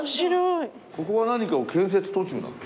ここは何かを建設途中なんですか？